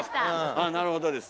ああなるほどです。